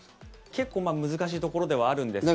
結構、難しいところではあるんですけど。